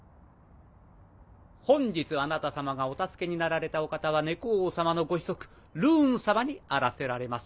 本日あなた様がお助けになられたお方は猫王様のご子息ルーン様にあらせられます。